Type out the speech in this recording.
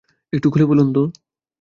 একটু খুলে বলুন তো।